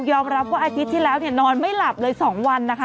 อมรับว่าอาทิตย์ที่แล้วเนี่ยนอนไม่หลับเลย๒วันนะคะ